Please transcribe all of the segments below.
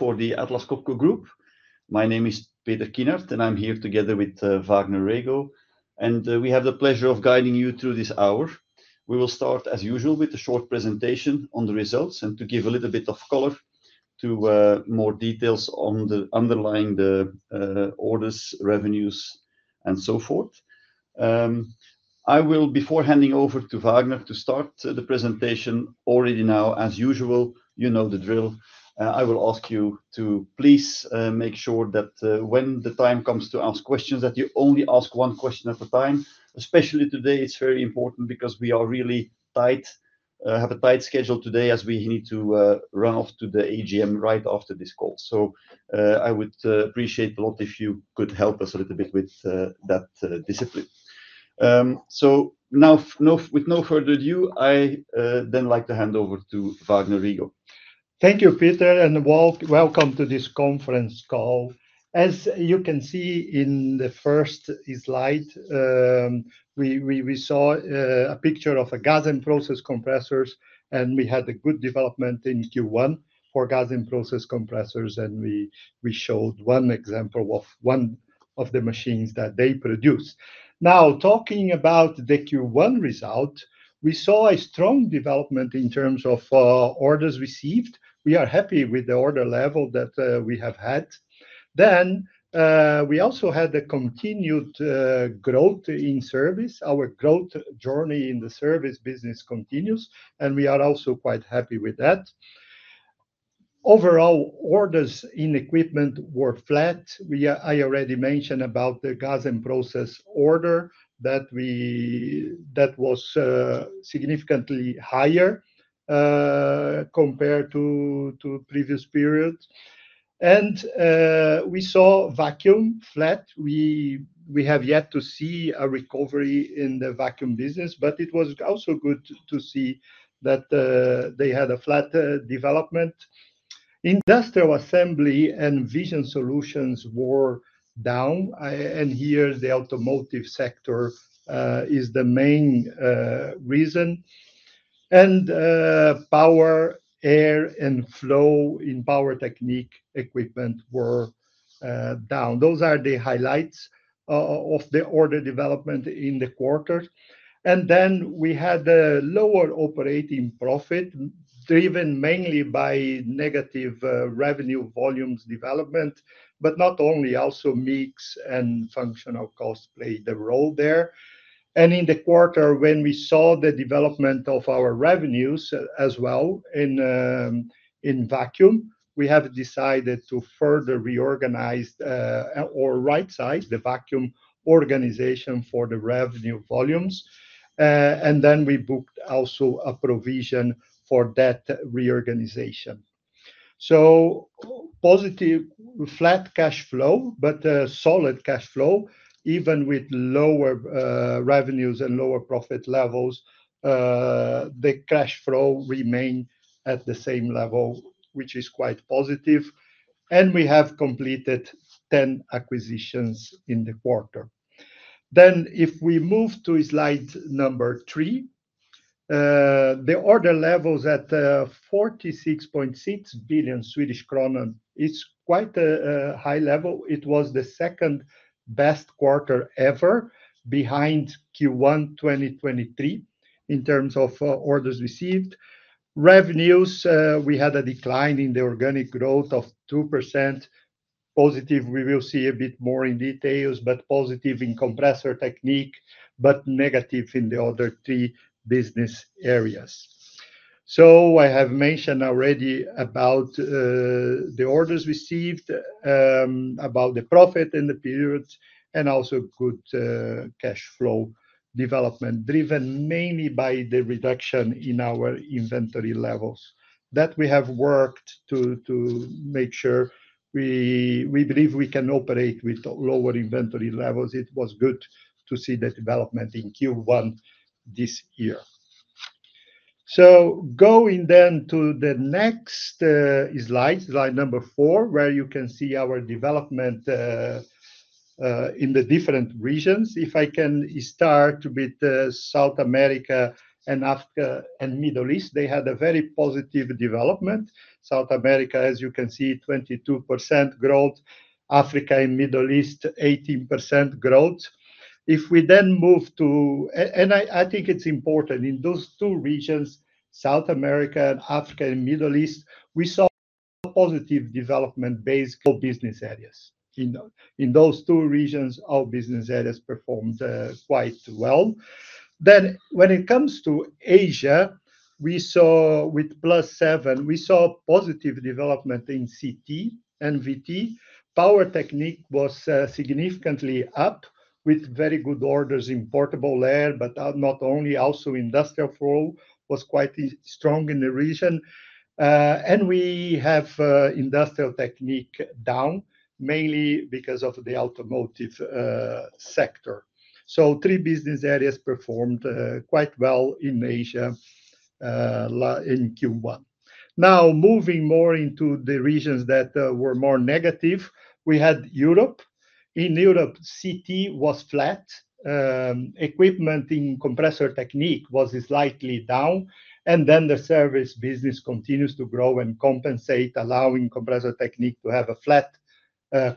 For the Atlas Copco Group. My name is Peter Kinnart, and I'm here together with Vagner Rego, and we have the pleasure of guiding you through this hour. We will start, as usual, with a short presentation on the results and to give a little bit of color to more details underlying the orders, revenues, and so forth. I will, before handing over to Vagner to start the presentation, already now, as usual, you know the drill. I will ask you to please make sure that when the time comes to ask questions, that you only ask one question at a time. Especially today, it's very important because we are really tight, have a tight schedule today as we need to run off to the AGM right after this call. I would appreciate a lot if you could help us a little bit with that discipline. Now, with no further ado, I then like to hand over to Vagner Rego. Thank you, Peter, and welcome to this conference call. As you can see in the first slide, we saw a picture of Gas and Process Compressors, and we had a good development in Q1 for Gas and Process Compressors, and we showed one example of one of the machines that they produce. Now, talking about the Q1 result, we saw a strong development in terms of orders received. We are happy with the order level that we have had. We also had the continued growth in service. Our growth journey in the service business continues, and we are also quite happy with that. Overall, orders in equipment were flat. I already mentioned about the Gas and Process order that was significantly higher compared to previous periods. We saw vacuum flat. We have yet to see a recovery in the vacuum business, but it was also good to see that they had a flat development. Industrial assembly and vision solutions were down, and here the automotive sector is the main reason. Power, air, and flow in Power Technique equipment were down. Those are the highlights of the order development in the quarter. We had a lower operating profit driven mainly by negative revenue volumes development, but not only, also mix and functional costs played a role there. In the quarter, when we saw the development of our revenues as well in vacuum, we have decided to further reorganize or right-size the vacuum organization for the revenue volumes. We booked also a provision for that reorganization. Positive flat cash flow, but solid cash flow, even with lower revenues and lower profit levels, the cash flow remained at the same level, which is quite positive. We have completed 10 acquisitions in the quarter. If we move to slide number three, the order level is at 46.6 billion. It is quite a high level. It was the second best quarter ever behind Q1 2023 in terms of orders received. Revenues, we had a decline in the organic growth of 2%. Positive, we will see a bit more in details, but positive in Compressor Technique, but negative in the other three business areas. I have mentioned already about the orders received, about the profit in the periods, and also good cash flow development driven mainly by the reduction in our inventory levels. That we have worked to make sure we believe we can operate with lower inventory levels. It was good to see the development in Q1 this year. Going to the next slide, slide number four, where you can see our development in the different regions. If I can start with South America and Africa and Middle East, they had a very positive development. South America, as you can see, 22% growth. Africa and Middle East, 18% growth. If we move to, and I think it's important in those two regions, South America and Africa and Middle East, we saw positive development based business areas. In those two regions, our business areas performed quite well. When it comes to Asia, we saw with +7, we saw positive development in CT and VT. Power Technique was significantly up with very good orders in Portable Air, but not only, also Industrial Flow was quite strong in the region. We have Industrial Technique down mainly because of the automotive sector. Three business areas performed quite well in Asia in Q1. Now moving more into the regions that were more negative, we had Europe. In Europe, CT was flat. Equipment in Compressor Technique was slightly down. The service business continues to grow and compensate, allowing Compressor Technique to have a flat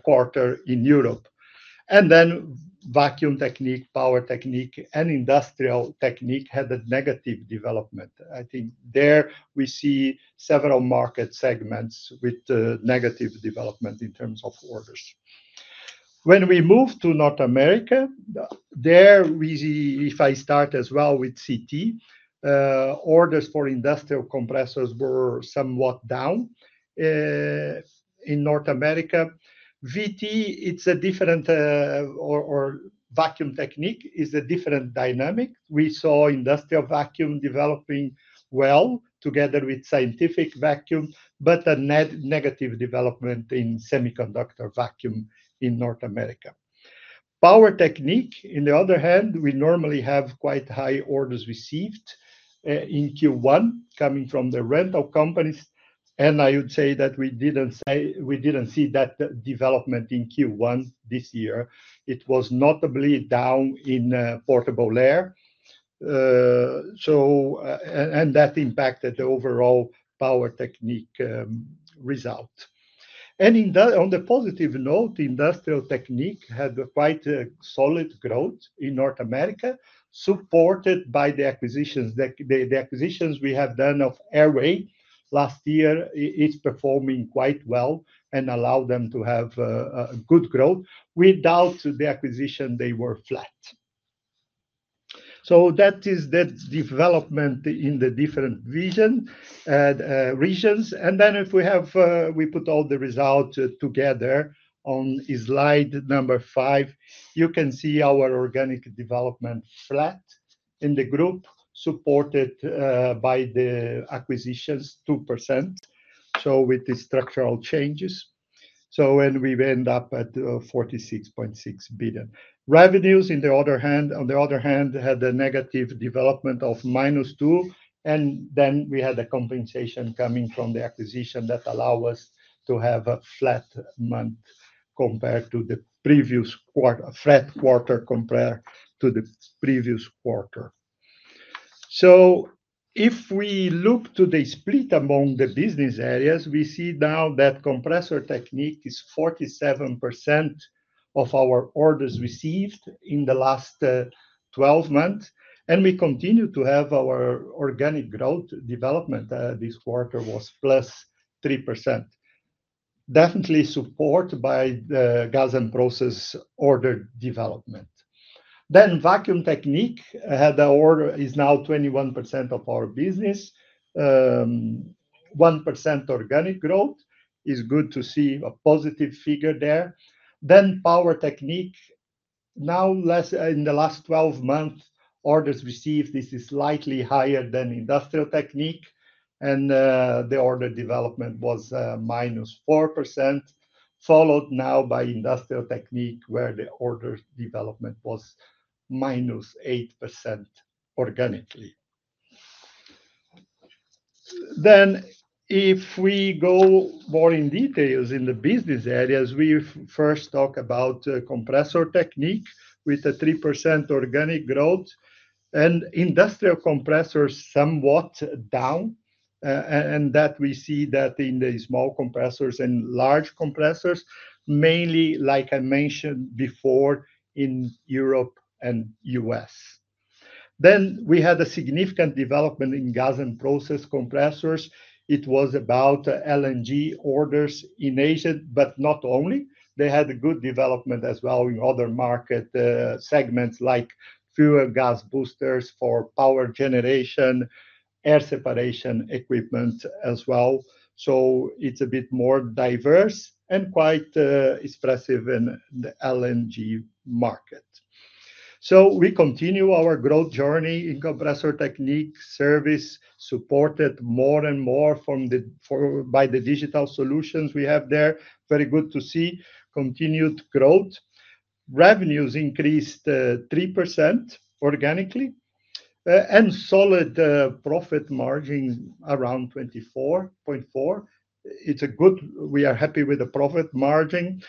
quarter in Europe. Vacuum Technique, Power Technique, and Industrial Technique had a negative development. I think there we see several market segments with negative development in terms of orders. When we move to North America, there we see, if I start as well with CT, orders for industrial compressors were somewhat down in North America. VT, it's a different, or Vacuum Technique is a different dynamic. We saw industrial vacuum developing well together with scientific vacuum, but a negative development in semiconductor vacuum in North America. Power Technique, on the other hand, we normally have quite high orders received in Q1 coming from the rental companies. I would say that we did not see that development in Q1 this year. It was notably down in Portable Air. That impacted the overall Power Technique result. On the positive note, Industrial Technique had quite solid growth in North America, supported by the acquisitions we have done of Air Way last year. It is performing quite well and allowed them to have good growth. Without the acquisition, they were flat. That is the development in the different regions. If we put all the results together on slide number five, you can see our organic development flat in the group, supported by the acquisitions, 2%. With the structural changes, we end up at 46.6 billion. Revenues, on the other hand, had a negative development of -2%. We had a compensation coming from the acquisition that allowed us to have a flat quarter compared to the previous quarter. If we look to the split among the business areas, we see now that Compressor Technique is 47% of our orders received in the last 12 months. We continue to have our organic growth development. This quarter was plus 3%, definitely supported by the Gas and Process order development. Vacuum Technique had an order and is now 21% of our business. 1% organic growth is good to see a positive figure there. Power Technique, now less in the last 12 months, orders received, this is slightly higher than Industrial Technique. The order development was -4%, followed now by Industrial Technique where the order development was -8% organically. If we go more in details in the business areas, we first talk about Compressor Technique with a 3% organic growth. Industrial compressors somewhat down. We see that in the small compressors and large compressors, mainly like I mentioned before in Europe and U.S.. We had a significant development in Gas and Process Compressors. It was about LNG orders in Asia, but not only. They had a good development as well in other market segments like fuel gas boosters for power generation, air separation equipment as well. It is a bit more diverse and quite expressive in the LNG market. We continue our growth journey in Compressor Technique service supported more and more by the digital solutions we have there. Very good to see continued growth. Revenues increased 3% organically and solid profit margin around 24.4%. It is good, we are happy with the profit margin.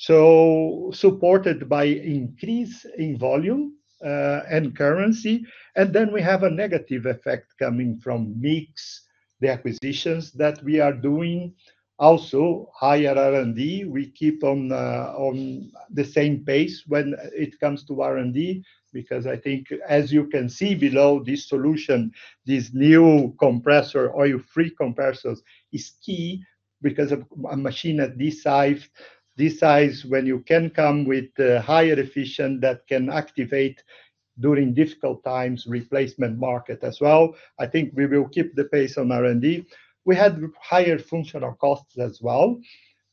Supported by increase in volume and currency. We have a negative effect coming from mix, the acquisitions that we are doing. Also higher R&D. We keep on the same pace when it comes to R&D because I think as you can see below this solution, these new oil-free compressors is key because a machine at this size, when you can come with higher efficient that can activate during difficult times replacement market as well. I think we will keep the pace on R&D. We had higher functional costs as well.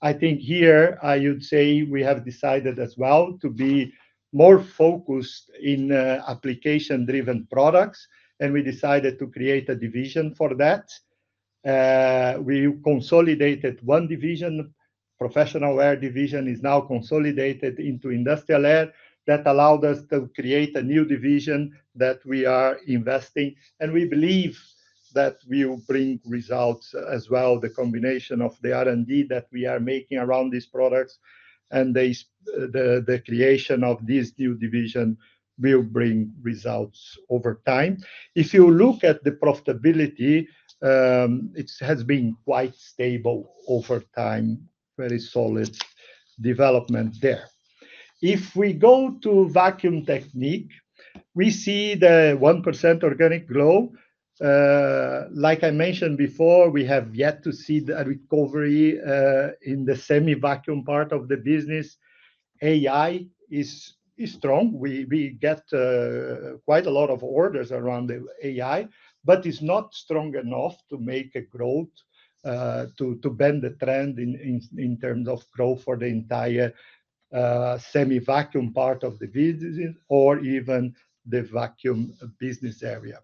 I think here I would say we have decided as well to be more focused in application-driven products. We decided to create a division for that. We consolidated one division. Professional Air division is now consolidated into Industrial Air. That allowed us to create a new division that we are investing. We believe that we will bring results as well. The combination of the R&D that we are making around these products and the creation of this new division will bring results over time. If you look at the profitability, it has been quite stable over time, very solid development there. If we go to Vacuum Technique, we see the 1% organic growth. Like I mentioned before, we have yet to see the recovery in the semi-vacuum part of the business. AI is strong. We get quite a lot of orders around the AI, but it's not strong enough to make a growth, to bend the trend in terms of growth for the entire semi-vacuum part of the business or even the vacuum business area.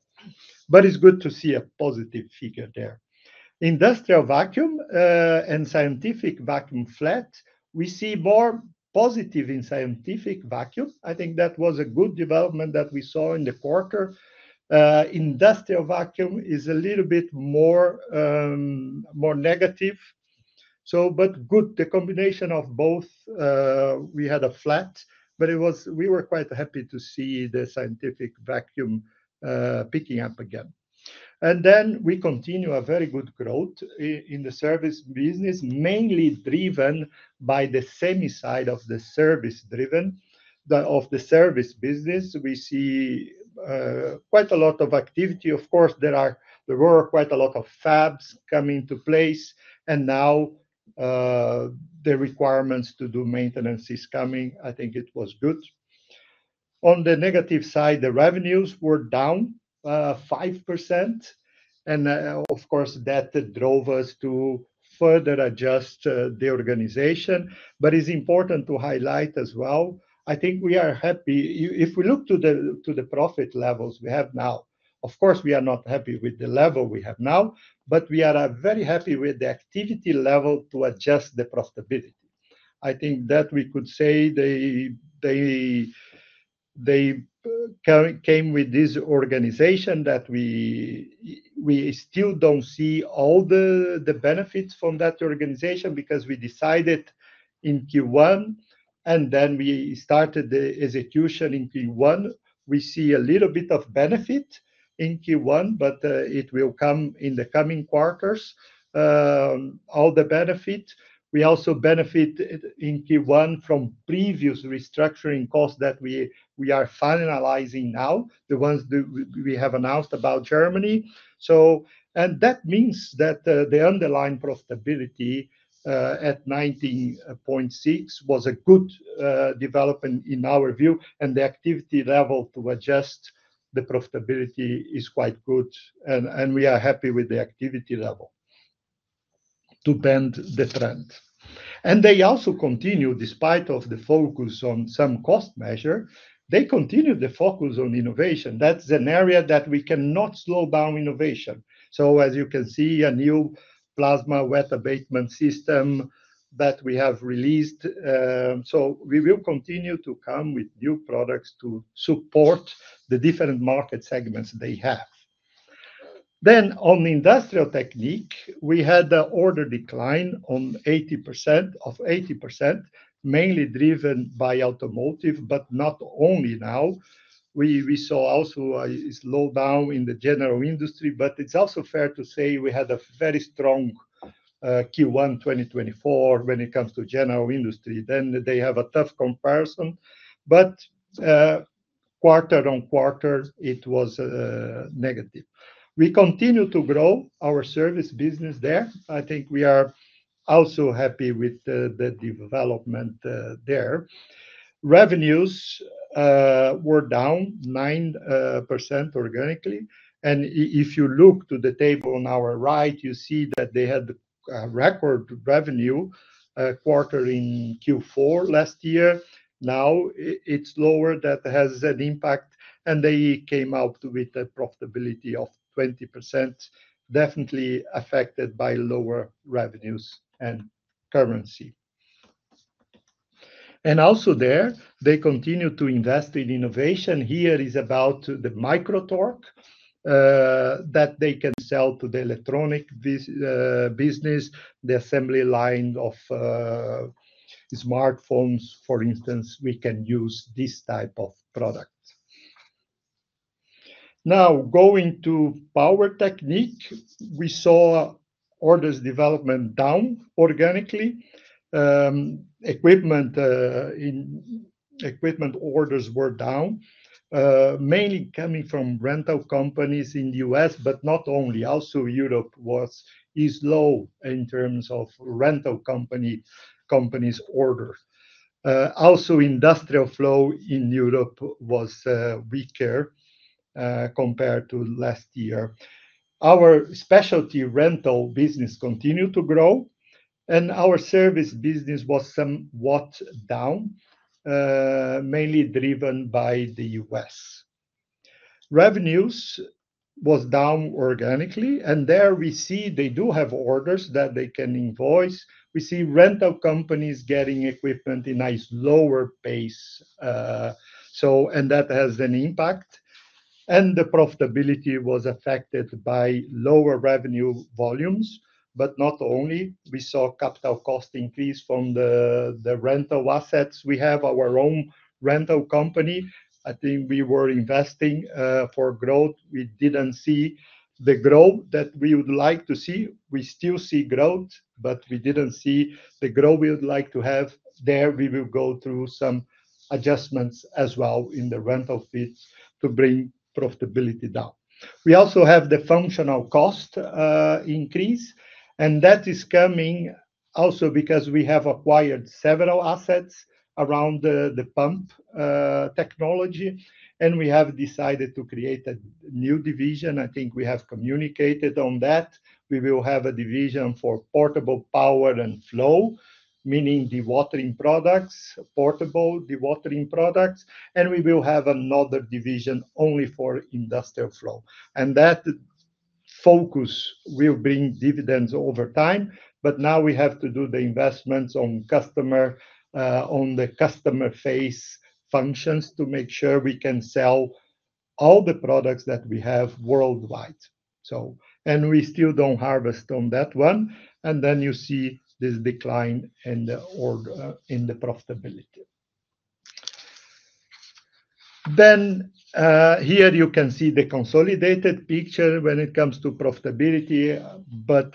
It's good to see a positive figure there. Industrial vacuum and scientific vacuum flat. We see more positive in scientific vacuum. I think that was a good development that we saw in the quarter. Industrial vacuum is a little bit more negative. The combination of both, we had a flat, but we were quite happy to see the scientific vacuum picking up again. We continue a very good growth in the service business, mainly driven by the semi side of the service-driven. Of the service business, we see quite a lot of activity. Of course, there were quite a lot of fabs coming to place. Now the requirements to do maintenance are coming. I think it was good. On the negative side, the revenues were down 5%. That drove us to further adjust the organization. It is important to highlight as well. I think we are happy. If we look to the profit levels we have now, of course, we are not happy with the level we have now, but we are very happy with the activity level to adjust the profitability. I think that we could say they came with this organization that we still do not see all the benefits from that organization because we decided in Q1. We started the execution in Q1. We see a little bit of benefit in Q1, but it will come in the coming quarters, all the benefit. We also benefit in Q1 from previous restructuring costs that we are finalizing now, the ones we have announced about Germany. That means that the underlying profitability at 19.6% was a good development in our view. The activity level to adjust the profitability is quite good. We are happy with the activity level to bend the trend. They also continue, despite the focus on some cost measure, they continue the focus on innovation. That is an area that we cannot slow down, innovation. As you can see, a new plasma wet abatement system that we have released. We will continue to come with new products to support the different market segments they have. On Industrial Technique, we had an order decline of 80%, mainly driven by automotive, but not only now. We saw also a slowdown in the general industry, but it's also fair to say we had a very strong Q1 2024 when it comes to general industry. They have a tough comparison. Quarter on quarter, it was negative. We continue to grow our service business there. I think we are also happy with the development there. Revenues were down 9% organically. If you look to the table on our right, you see that they had a record revenue quarter in Q4 last year. Now it's lower. That has an impact. They came out with a profitability of 20%, definitely affected by lower revenues and currency. Also there, they continue to invest in innovation. Here is about the MicroTorque that they can sell to the electronic business, the assembly line of smartphones. For instance, we can use this type of product. Now going to Power Technique, we saw orders development down organically. Equipment orders were down, mainly coming from rental companies in the U.S., but not only. Also Europe is low in terms of rental companies' orders. Also Industrial Flow in Europe was weaker compared to last year. Our specialty rental business continued to grow. Our service business was somewhat down, mainly driven by the U.S.. Revenues were down organically. There we see they do have orders that they can invoice. We see rental companies getting equipment in a lower pace. That has an impact. The profitability was affected by lower revenue volumes, but not only. We saw capital cost increase from the rental assets. We have our own rental company. I think we were investing for growth. We did not see the growth that we would like to see. We still see growth, but we did not see the growth we would like to have there. We will go through some adjustments as well in the rental fees to bring profitability down. We also have the functional cost increase. That is coming also because we have acquired several assets around the pump technology. We have decided to create a new division. I think we have communicated on that. We will have a division for portable power and flow, meaning dewatering products, portable dewatering products. We will have another division only for Industrial Flow. That focus will bring dividends over time. Now we have to do the investments on the customer phase functions to make sure we can sell all the products that we have worldwide. We still do not harvest on that one. You see this decline in the profitability. Here you can see the consolidated picture when it comes to profitability.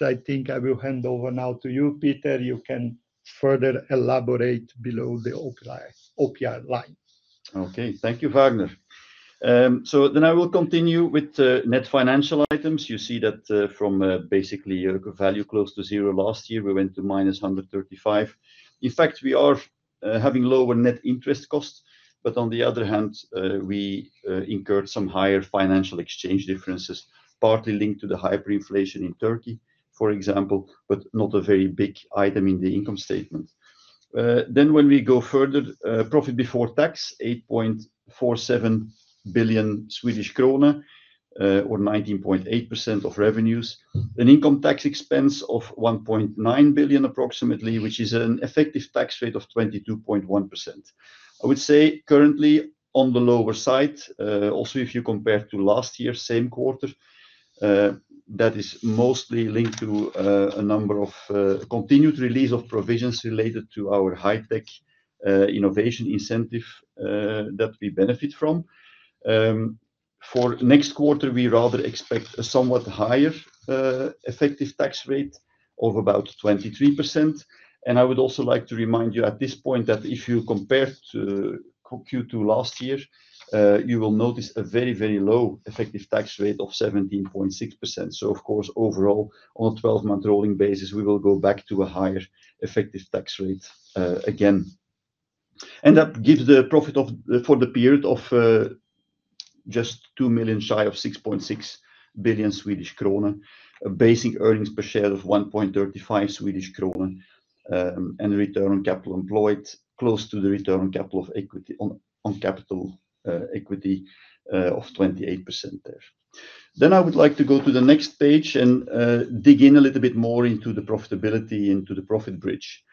I think I will hand over now to you, Peter. You can further elaborate below the OPR line. Okay, thank you, Vagner. I will continue with net financial items. You see that from basically a value close to zero last year, we went to minus 135 million. In fact, we are having lower net interest costs. On the other hand, we incurred some higher financial exchange differences, partly linked to the hyperinflation in Turkey, for example, but not a very big item in the income statement. When we go further, profit before tax, 8.47 billion Swedish krona, or 19.8% of revenues. An income tax expense of approximately 1.9 billion, which is an effective tax rate of 22.1%. I would say currently on the lower side, also if you compare to last year, same quarter, that is mostly linked to a number of continued release of provisions related to our high-tech innovation incentive that we benefit from. For next quarter, we rather expect a somewhat higher effective tax rate of about 23%. I would also like to remind you at this point that if you compare to Q2 last year, you will notice a very, very low effective tax rate of 17.6%. Of course, overall, on a 12-month rolling basis, we will go back to a higher effective tax rate again. That gives the profit for the period of just 2 million shy of 6.6 billion Swedish krona, basic earnings per share of 1.35 Swedish krona, and return on capital employed close to the return on capital equity on capital equity of 28% there. I would like to go to the next page and dig in a little bit more into the profitability, into the profit bridge.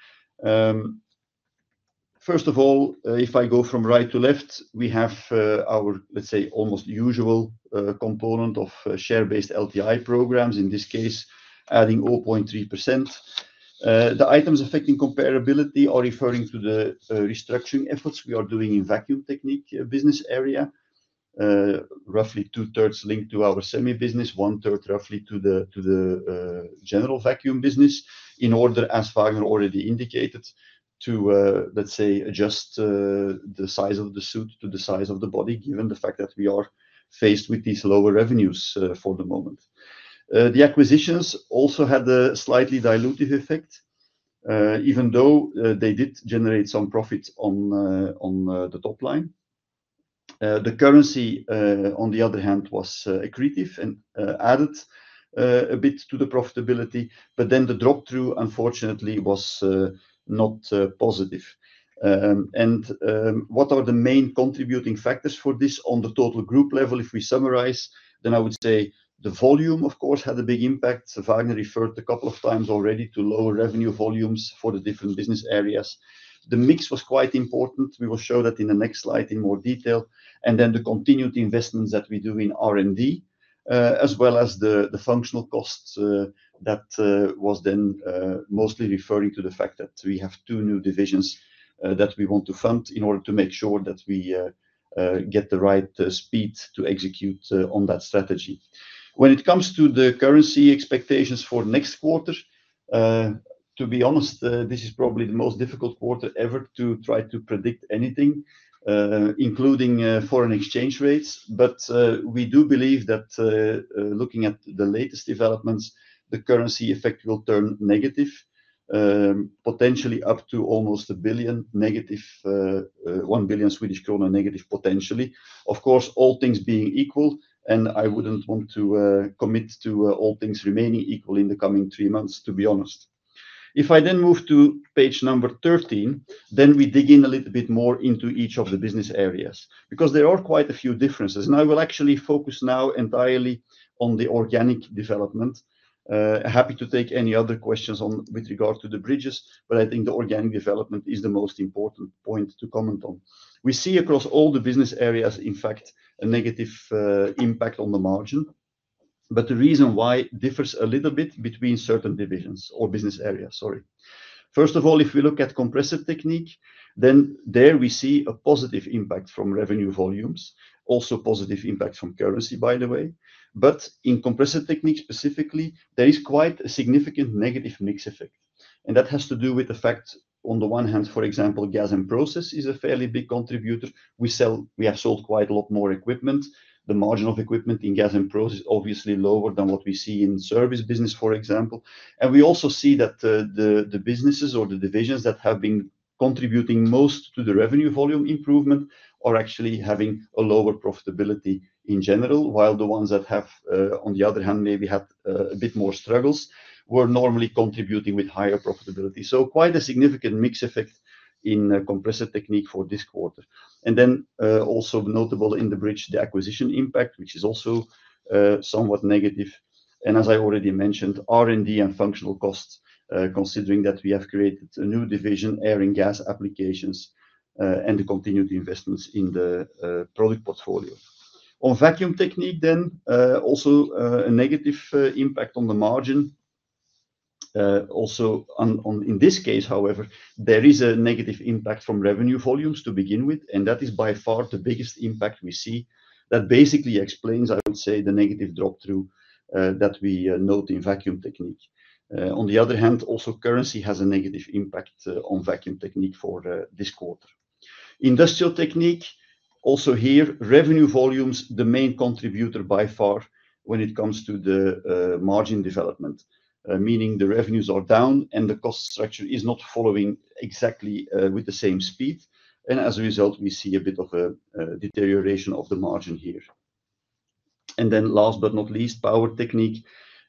First of all, if I go from right to left, we have our, let's say, almost usual component of share-based LTI programs, in this case, adding 0.3%. The items affecting comparability are referring to the restructuring efforts we are doing in Vacuum Technique business area, roughly two-thirds linked to our semi business, one-third roughly to the general vacuum business, in order, as Vagner already indicated, to, let's say, adjust the size of the suit to the size of the body, given the fact that we are faced with these lower revenues for the moment. The acquisitions also had a slightly dilutive effect, even though they did generate some profit on the top line. The currency, on the other hand, was accretive and added a bit to the profitability. The drop-through, unfortunately, was not positive. What are the main contributing factors for this on the total group level? If we summarize, I would say the volume, of course, had a big impact. Vagner referred a couple of times already to lower revenue volumes for the different business areas. The mix was quite important. We will show that in the next slide in more detail. The continued investments that we do in R&D, as well as the functional costs, was then mostly referring to the fact that we have two new divisions that we want to fund in order to make sure that we get the right speed to execute on that strategy. When it comes to the currency expectations for next quarter, to be honest, this is probably the most difficult quarter ever to try to predict anything, including foreign exchange rates. We do believe that looking at the latest developments, the currency effect will turn negative, potentially up to almost -1 billion Swedish krona, SEK -1 billion potentially. Of course, all things being equal, and I would not want to commit to all things remaining equal in the coming three months, to be honest. If I then move to page number 13, we dig in a little bit more into each of the business areas because there are quite a few differences. I will actually focus now entirely on the organic development. Happy to take any other questions with regard to the bridges, but I think the organic development is the most important point to comment on. We see across all the business areas, in fact, a negative impact on the margin. The reason why differs a little bit between certain divisions or business areas, sorry. First of all, if we look at Compressor Technique, then there we see a positive impact from revenue volumes, also positive impact from currency, by the way. In Compressor Technique specifically, there is quite a significant negative mix effect. That has to do with the fact on the one hand, for example, Gas and Process is a fairly big contributor. We have sold quite a lot more equipment. The margin of equipment in Gas and Process is obviously lower than what we see in service business, for example. We also see that the businesses or the divisions that have been contributing most to the revenue volume improvement are actually having a lower profitability in general, while the ones that have, on the other hand, maybe had a bit more struggles, were normally contributing with higher profitability. Quite a significant mix effect in Compressor Technique for this quarter. Also notable in the bridge, the acquisition impact, which is also somewhat negative. As I already mentioned, R&D and functional costs, considering that we have created a new division, air and gas applications, and the continued investments in the product portfolio. On Vacuum Technique, then also a negative impact on the margin. Also in this case, however, there is a negative impact from revenue volumes to begin with, and that is by far the biggest impact we see. That basically explains, I would say, the negative drop-through that we note in Vacuum Technique. On the other hand, also currency has a negative impact on Vacuum Technique for this quarter. Industrial Technique, also here, revenue volumes, the main contributor by far when it comes to the margin development, meaning the revenues are down and the cost structure is not following exactly with the same speed. As a result, we see a bit of a deterioration of the margin here. Last but not least, Power Technique.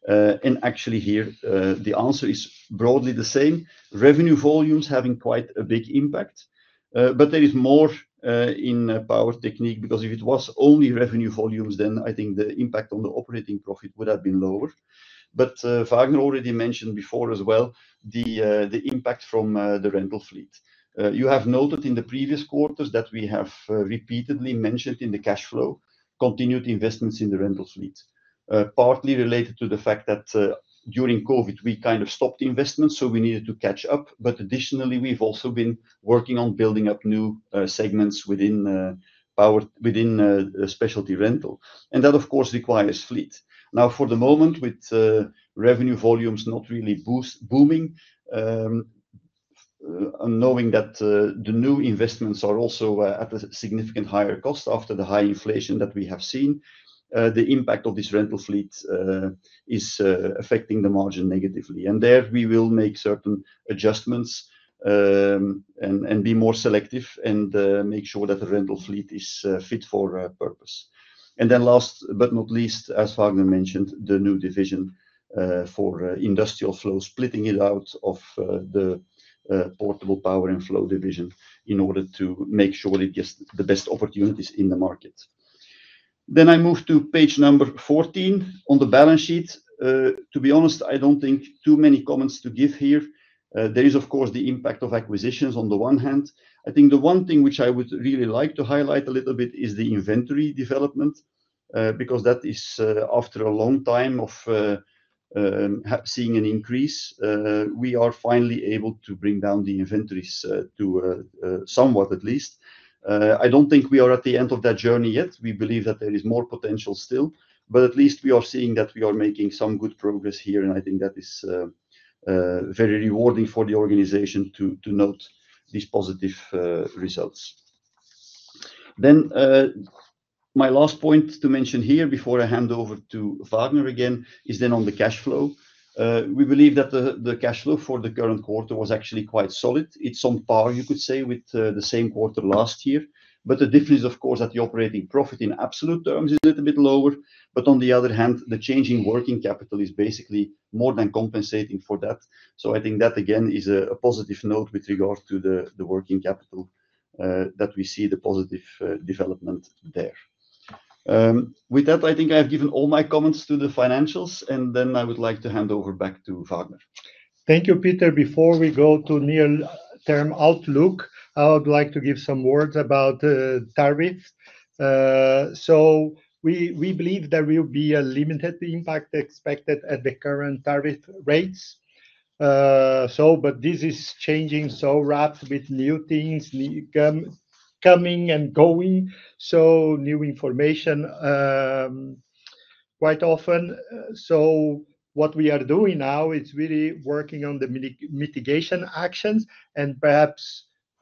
Actually here, the answer is broadly the same. Revenue volumes having quite a big impact, but there is more in Power Technique because if it was only revenue volumes, I think the impact on the operating profit would have been lower. Vagner already mentioned before as well, the impact from the rental fleet. You have noted in the previous quarters that we have repeatedly mentioned in the cash flow, continued investments in the rental fleet, partly related to the fact that during COVID, we kind of stopped investments, so we needed to catch up. Additionally, we've also been working on building up new segments within specialty rental. That, of course, requires fleet. Now, for the moment, with revenue volumes not really booming, knowing that the new investments are also at a significantly higher cost after the high inflation that we have seen, the impact of this rental fleet is affecting the margin negatively. There we will make certain adjustments and be more selective and make sure that the rental fleet is fit for purpose. Last but not least, as Vagner mentioned, the new division for Industrial Flow, splitting it out of the portable power and flow division in order to make sure it gets the best opportunities in the market. I move to page number 14 on the balance sheet. To be honest, I do not think too many comments to give here. There is, of course, the impact of acquisitions on the one hand. I think the one thing which I would really like to highlight a little bit is the inventory development because that is after a long time of seeing an increase, we are finally able to bring down the inventories to somewhat at least. I do not think we are at the end of that journey yet. We believe that there is more potential still, but at least we are seeing that we are making some good progress here. I think that is very rewarding for the organization to note these positive results. My last point to mention here before I hand over to Vagner again is on the cash flow. We believe that the cash flow for the current quarter was actually quite solid. It is on par, you could say, with the same quarter last year. The difference, of course, is that the operating profit in absolute terms is a little bit lower. On the other hand, the change in working capital is basically more than compensating for that. I think that, again, is a positive note with regard to the working capital, that we see the positive development there. With that, I think I have given all my comments to the financials, and I would like to hand over back to Vagner. Thank you, Peter. Before we go to near-term outlook, I would like to give some words about tariffs. We believe there will be a limited impact expected at the current tariff rates. This is changing so rapidly with new things coming and going, new information quite often. What we are doing now is really working on the mitigation actions.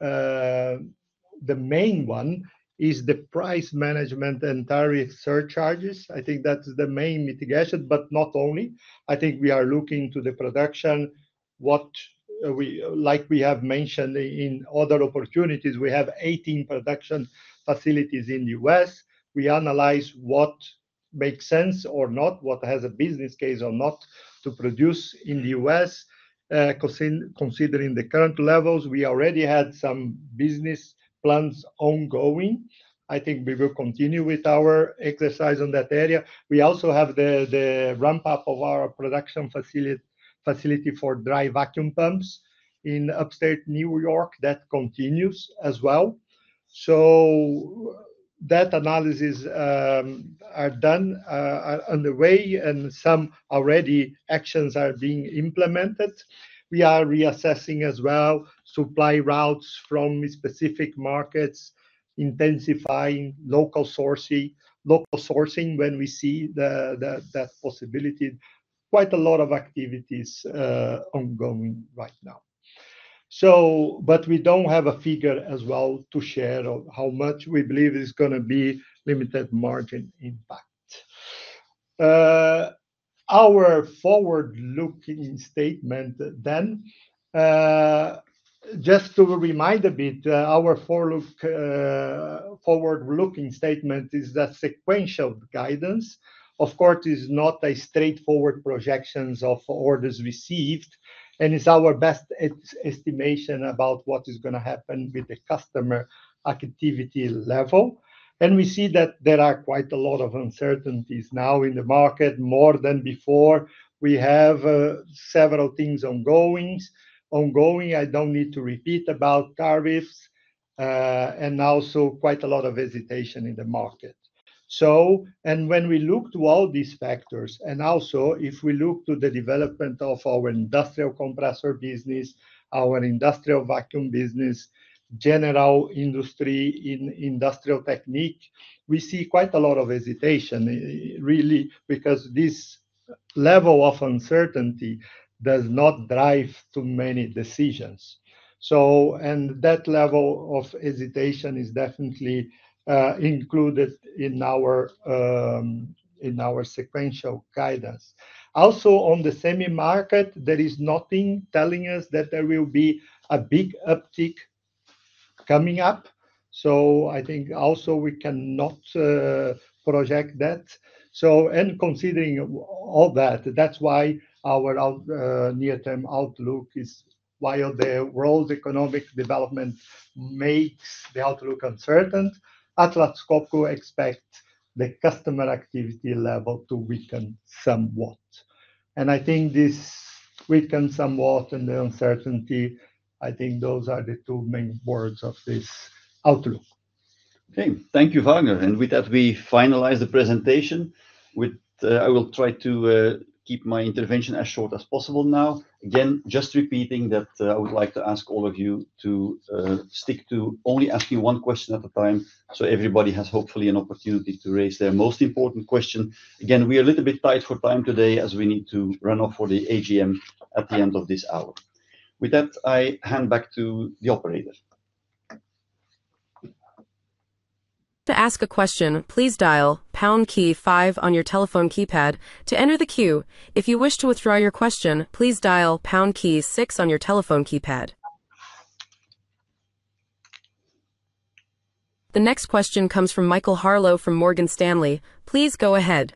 Perhaps the main one is the price management and tariff surcharges. I think that is the main mitigation, but not only. I think we are looking to the production, like we have mentioned in other opportunities. We have 18 production facilities in the U.S.. We analyze what makes sense or not, what has a business case or not to produce in the U.S.. Considering the current levels, we already had some business plans ongoing. I think we will continue with our exercise on that area. We also have the ramp-up of our production facility for dry vacuum pumps in upstate New York that continues as well. That analysis is done. On the way, and some already actions are being implemented. We are reassessing as well supply routes from specific markets, intensifying local sourcing when we see that possibility. Quite a lot of activities ongoing right now. We do not have a figure as well to share of how much we believe is going to be limited margin impact. Our forward-looking statement then, just to remind a bit, our forward-looking statement is that sequential guidance, of course, is not a straightforward projection of orders received, and it is our best estimation about what is going to happen with the customer activity level. We see that there are quite a lot of uncertainties now in the market, more than before. We have several things ongoing. I don't need to repeat about tariffs and also quite a lot of hesitation in the market. When we look to all these factors, and also if we look to the development of our industrial compressor business, our industrial vacuum business, general industry in Industrial Technique, we see quite a lot of hesitation, really, because this level of uncertainty does not drive too many decisions. That level of hesitation is definitely included in our sequential guidance. Also, on the semi market, there is nothing telling us that there will be a big uptick coming up. I think also we cannot project that. Considering all that, that's why our near-term outlook is, while the world economic development makes the outlook uncertain, Atlas Copco expects the customer activity level to weaken somewhat. I think this weakens somewhat in the uncertainty. I think those are the two main words of this outlook. Okay. Thank you, Vagner. With that, we finalize the presentation. I will try to keep my intervention as short as possible now. Again, just repeating that I would like to ask all of you to stick to only asking one question at a time so everybody has hopefully an opportunity to raise their most important question. Again, we are a little bit tight for time today as we need to run off for the AGM at the end of this hour. With that, I hand back to the operator. To ask a question, please dial pound key five on your telephone keypad to enter the queue. If you wish to withdraw your question, please dial pound key six on your telephone keypad. The next question comes from Michael Harleaux from Morgan Stanley. Please go ahead.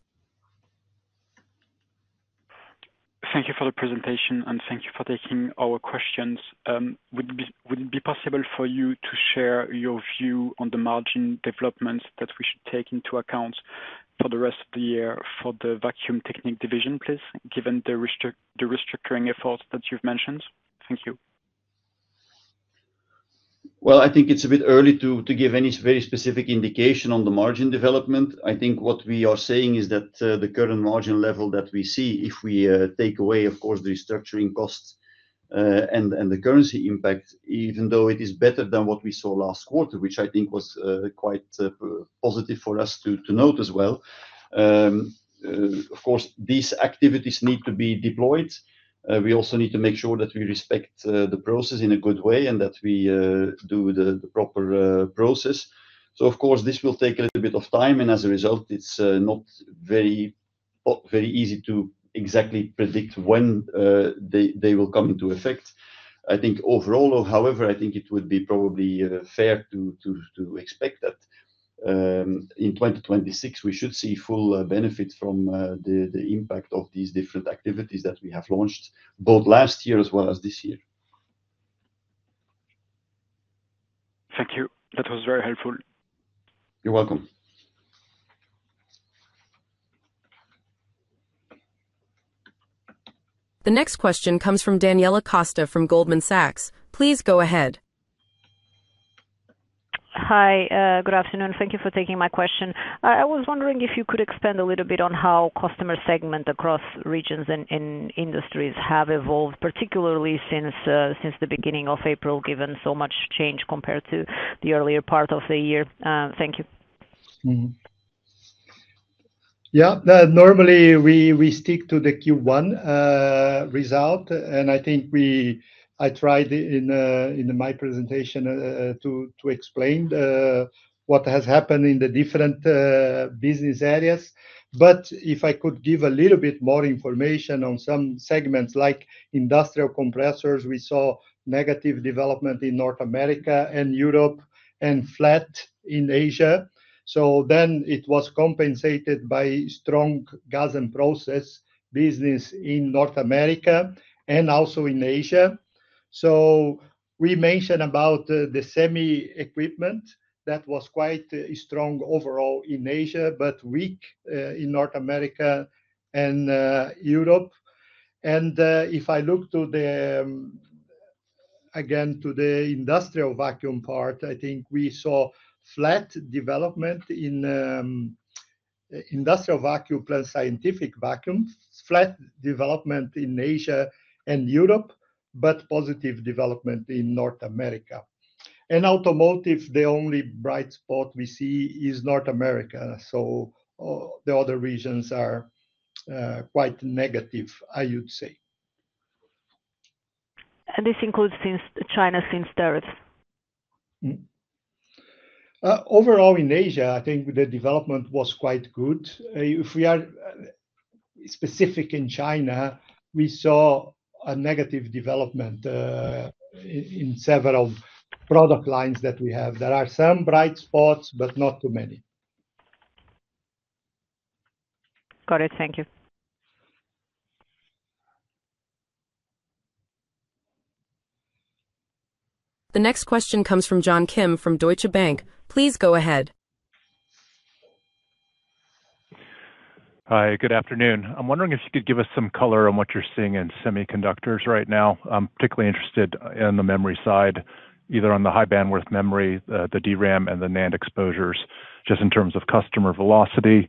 Thank you for the presentation, and thank you for taking our questions. Would it be possible for you to share your view on the margin developments that we should take into account for the rest of the year for the Vacuum Technique division, please, given the restructuring efforts that you've mentioned? Thank you. I think it's a bit early to give any very specific indication on the margin development. I think what we are saying is that the current margin level that we see, if we take away, of course, the restructuring costs and the currency impact, even though it is better than what we saw last quarter, which I think was quite positive for us to note as well. Of course, these activities need to be deployed. We also need to make sure that we respect the process in a good way and that we do the proper process. Of course, this will take a little bit of time, and as a result, it's not very easy to exactly predict when they will come into effect. I think overall, however, I think it would be probably fair to expect that in 2026, we should see full benefit from the impact of these different activities that we have launched, both last year as well as this year. Thank you. That was very helpful. You're welcome. The next question comes from Daniela Costa from Goldman Sachs. Please go ahead. Hi, good afternoon. Thank you for taking my question. I was wondering if you could expand a little bit on how customer segment across regions and industries have evolved, particularly since the beginning of April, given so much change compared to the earlier part of the year. Thank you. Yeah. Normally, we stick to the Q1 result, and I think I tried in my presentation to explain what has happened in the different business areas. If I could give a little bit more information on some segments like industrial compressors, we saw negative development in North America and Europe and flat in Asia. It was compensated by strong Gas and Process business in North America and also in Asia. We mentioned about the semi equipment that was quite strong overall in Asia, but weak in North America and Europe. If I look again to the industrial vacuum part, I think we saw flat development in industrial vacuum and scientific vacuum, flat development in Asia and Europe, but positive development in North America. In automotive, the only bright spot we see is North America. The other regions are quite negative, I would say. This includes China since third. Overall in Asia, I think the development was quite good. If we are specific in China, we saw a negative development in several product lines that we have. There are some bright spots, but not too many. Got it. Thank you. The next question comes from John Kim from Deutsche Bank. Please go ahead. Hi, good afternoon. I'm wondering if you could give us some color on what you're seeing in semiconductors right now. I'm particularly interested in the memory side, either on the high bandwidth memory, the DRAM, and the NAND exposures, just in terms of customer velocity,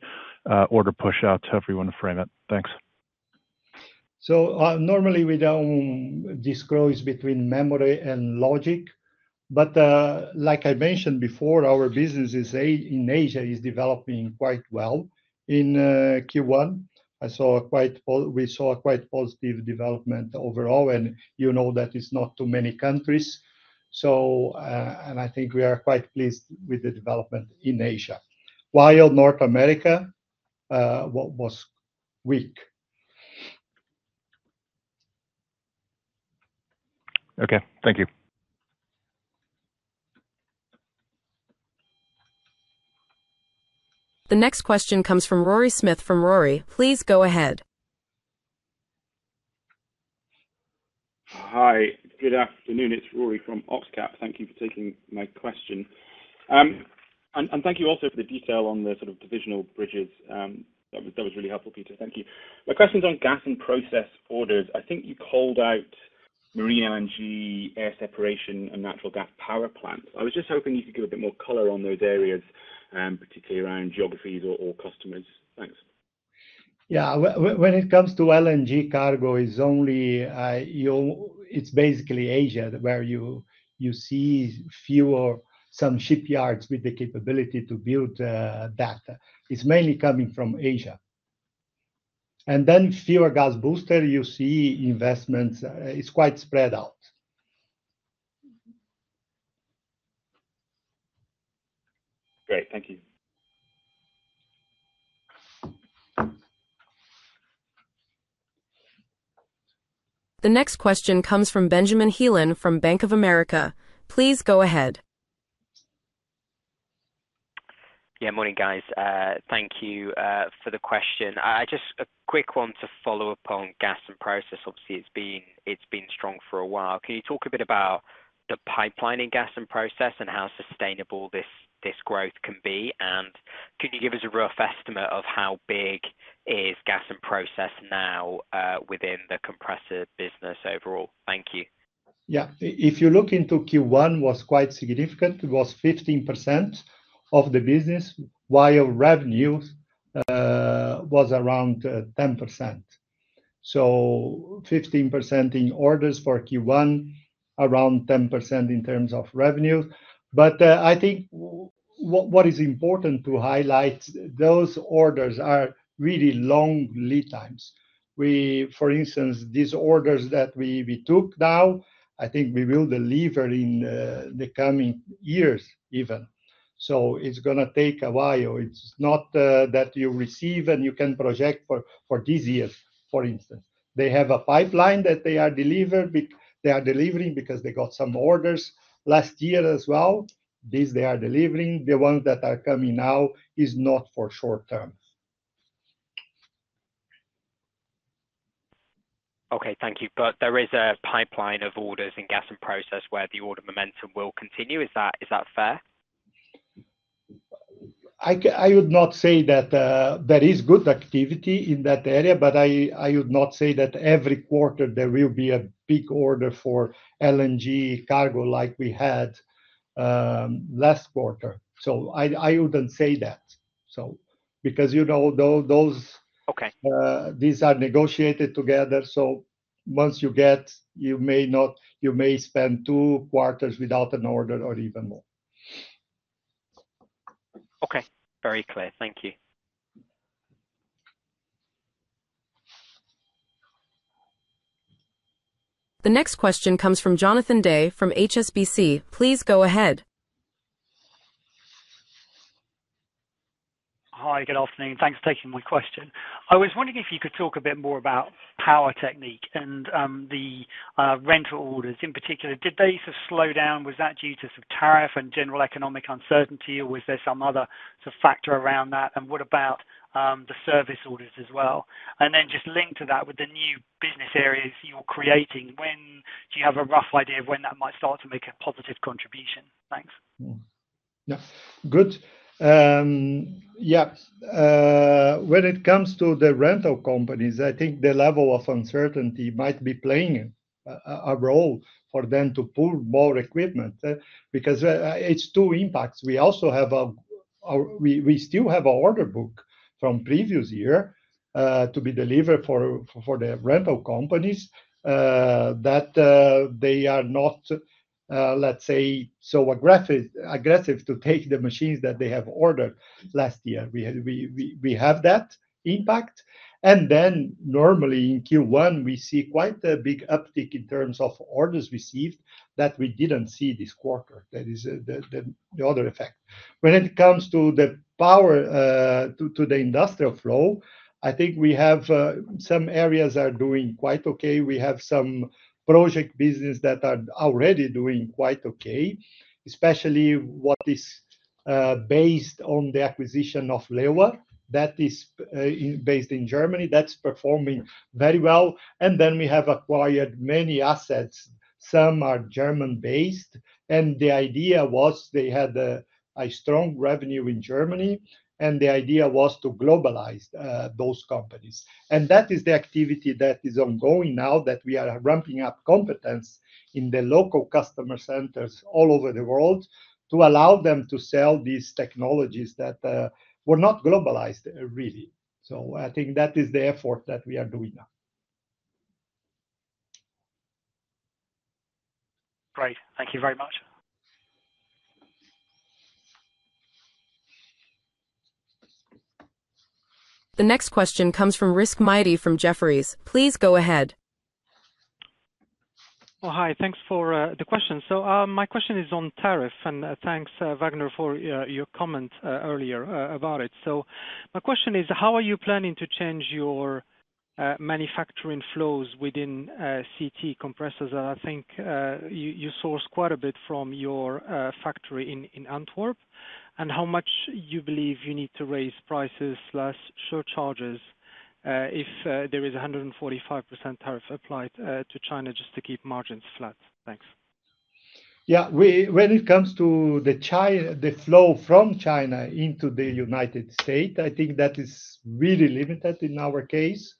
order push-outs, however you want to frame it. Thanks. Normally, we don't disclose between memory and logic. Like I mentioned before, our business in Asia is developing quite well in Q1. We saw a quite positive development overall, and you know that it's not too many countries. I think we are quite pleased with the development in Asia, while North America was weak. Okay. Thank you. The next question comes from Rory Smith from Rory. Please go ahead. Hi, good afternoon. It's Rory from OxCap. Thank you for taking my question. Thank you also for the detail on the sort of divisional bridges. That was really helpful, Peter. Thank you. My question is on Gas and Process orders. I think you called out marine LNG, air separation, and natural gas power plants. I was just hoping you could give a bit more color on those areas, particularly around geographies or customers. Thanks. Yeah. When it comes to LNG cargo, it's basically Asia where you see fewer shipyards with the capability to build that. It's mainly coming from Asia. And then for gas booster, you see investments. It's quite spread out. Great. Thank you. The next question comes from Benjamin Heelan from Bank of America. Please go ahead. Yeah. Morning, guys. Thank you for the question. Just a quick one to follow up on Gas and Process. Obviously, it's been strong for a while. Can you talk a bit about the pipeline in Gas and Process and how sustainable this growth can be? Can you give us a rough estimate of how big is Gas and Process now within the compressor business overall? Thank you. Yeah. If you look into Q1, it was quite significant. It was 15% of the business, while revenue was around 10%. So 15% in orders for Q1, around 10% in terms of revenue. I think what is important to highlight, those orders are really long lead times. For instance, these orders that we took now, I think we will deliver in the coming years even. It is going to take a while. It is not that you receive and you can project for these years, for instance. They have a pipeline that they are delivering because they got some orders last year as well. These they are delivering. The ones that are coming now is not for short term. Okay. Thank you. There is a pipeline of orders in Gas and Process where the order momentum will continue. Is that fair? I would not say that there is good activity in that area, but I would not say that every quarter there will be a big order for LNG cargo like we had last quarter. I would not say that. Because these are negotiated together. Once you get, you may spend two quarters without an order or even more. Okay. Very clear. Thank you. The next question comes from Jonathan Day from HSBC. Please go ahead. Hi, good afternoon. Thanks for taking my question. I was wondering if you could talk a bit more about power technique and the rental orders in particular. Did they slow down? Was that due to sort of tariff and general economic uncertainty, or was there some other sort of factor around that? What about the service orders as well? Just link to that with the new business areas you're creating. Do you have a rough idea of when that might start to make a positive contribution? Thanks. Yeah. Good. When it comes to the rental companies, I think the level of uncertainty might be playing a role for them to pull more equipment because it is two impacts. We still have an order book from previous year to be delivered for the rental companies that they are not, let's say, so aggressive to take the machines that they have ordered last year. We have that impact. Normally in Q1, we see quite a big uptick in terms of orders received that we did not see this quarter. That is the other effect. When it comes to the power to the Industrial Flow, I think some areas are doing quite okay. We have some project business that are already doing quite okay, especially what is based on the acquisition of Leybold that is based in Germany that's performing very well. We have acquired many assets. Some are German-based. The idea was they had a strong revenue in Germany, and the idea was to globalize those companies. That is the activity that is ongoing now. We are ramping up competence in the local customer centers all over the world to allow them to sell these technologies that were not globalized, really. I think that is the effort that we are doing now. Great. Thank you very much. The next question comes from Rizk Maidi from Jefferies. Please go ahead. Hi. Thanks for the question. My question is on tariff, and thanks, Vagner, for your comment earlier about it. My question is, how are you planning to change your manufacturing flows within CT compressors? I think you source quite a bit from your factory in Antwerp, and how much do you believe you need to raise prices or show charges if there is a 145% tariff applied to China just to keep margins flat? Thanks. Yeah. When it comes to the flow from China into the United States, I think that is really limited in our case.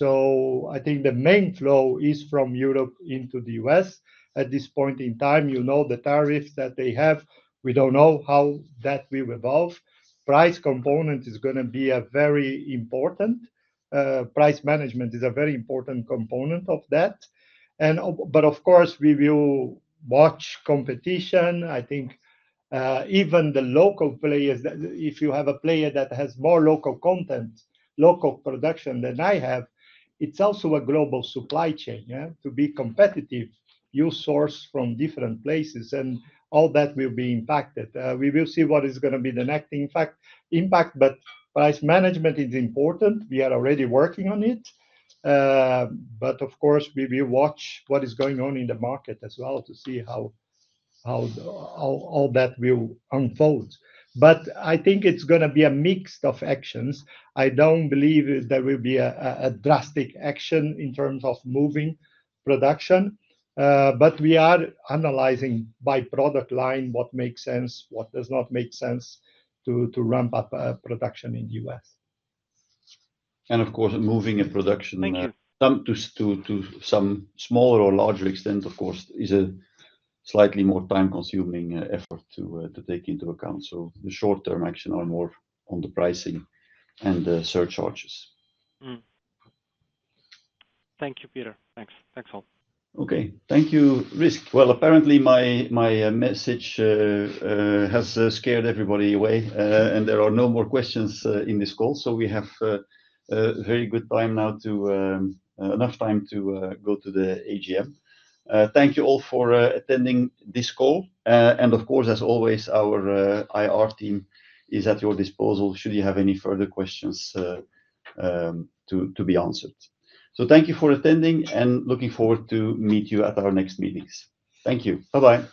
I think the main flow is from Europe into the U.S. at this point in time. You know the tariffs that they have. We do not know how that will evolve. Price component is going to be very important. Price management is a very important component of that. Of course, we will watch competition. I think even the local players, if you have a player that has more local content, local production than I have, it's also a global supply chain. To be competitive, you source from different places, and all that will be impacted. We will see what is going to be the next impact, but price management is important. We are already working on it. Of course, we will watch what is going on in the market as well to see how all that will unfold. I think it's going to be a mix of actions. I don't believe there will be a drastic action in terms of moving production. We are analyzing by product line what makes sense, what does not make sense to ramp up production in the U.S.. Of course, moving production to some smaller or larger extent is a slightly more time-consuming effort to take into account. The short-term actions are more on the pricing and the surcharges. Thank you, Peter. Thanks. Thanks all. Okay. Thank you, Rizk. Apparently, my message has scared everybody away, and there are no more questions in this call. We have a very good time now, enough time to go to the AGM. Thank you all for attending this call. As always, our IR team is at your disposal should you have any further questions to be answered. Thank you for attending, and looking forward to meet you at our next meetings. Thank you. Bye-bye.